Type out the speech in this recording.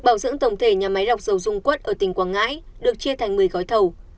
bảo dưỡng tổng thể nhà máy lọc dầu dung quất ở tỉnh quảng ngãi được chia thành một mươi gói thầu